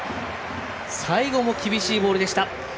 最後も厳しいボールでした。